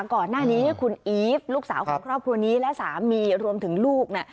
ก่อนหน้านี้คุณอีฟลูกสาวและสามีรวมถึงลูก